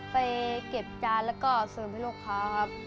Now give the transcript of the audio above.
ไปเก็บจานแล้วก็เสริมให้ลูกค้าครับ